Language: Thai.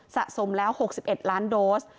สะสมแล้ว๖๑ล้านโดส